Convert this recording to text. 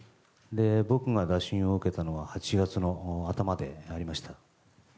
僕が打診を受けたのは８月の頭でした。